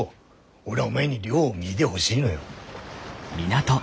俺はお前に亮を見でほしいのよ。